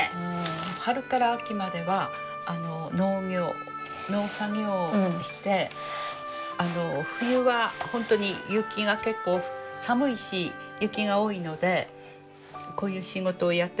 春から秋までは農作業をして冬は本当に雪が結構寒いし雪が多いのでこういう仕事をやってたと思いますね。